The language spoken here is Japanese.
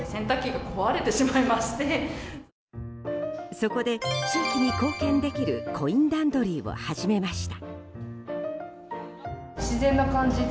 そこで、地域に貢献できるコインランドリーを始めました。